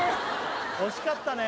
惜しかったね